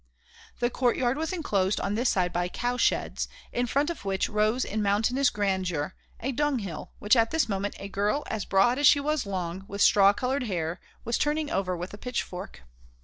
The courtyard was enclosed on this side by cow sheds, in front of which rose in mountainous grandeur a dunghill which at this moment a girl as broad as she was long, with straw coloured hair, was turning over with a pitchfork.